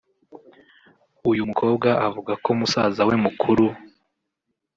uyu mukobwa avuga ko musaza we mukuru